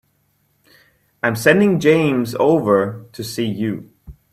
I'm sending James over to see you.